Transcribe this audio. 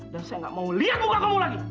dan saya tidak mau lihat muka kamu lagi